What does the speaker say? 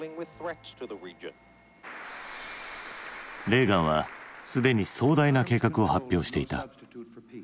レーガンはすでに壮大な計画を発表していた。